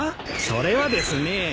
それはですね。